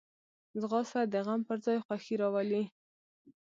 ځغاسته د غم پر ځای خوښي راولي